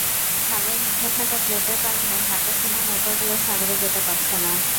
খালের মুখে থাকা প্লেটের কারণে ভাটার সময় নৌকাগুলো সাগরে যেতে পারছে না।